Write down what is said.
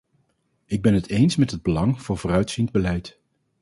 Ik ben het eens met het belang van vooruitziend beleid.